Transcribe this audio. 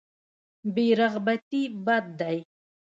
بې رغبتي بد دی.